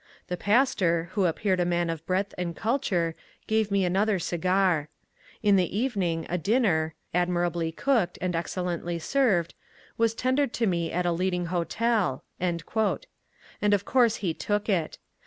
The pastor, who appeared a man of breadth and culture, gave me another cigar. In the evening a dinner, admirably cooked and excellently served, was tendered to me at a leading hotel." And of course he took it.